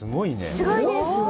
すごいです。